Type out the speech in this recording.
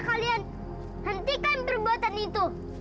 hentikan perbuatan itu